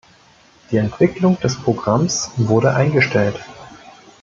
Die Entwicklung des Programms wurde eingestellt.